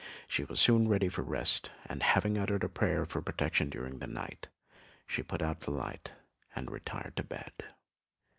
She was soon ready for rest; and having uttered a prayer for protection during the night, she put out the light and retired to bed.